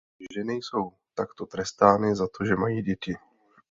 Ženy jsou takto trestány za to, že mají děti.